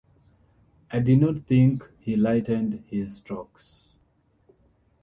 I did not think he lightened his strokes.